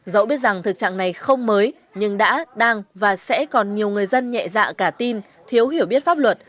dẫu biết rằng thực trạng này không mới nhưng đã đang và sẽ còn nhiều người dân nhẹ dạ cả tin thiếu hiểu biết pháp luật